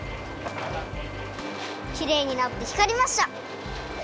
きれいになってひかりました。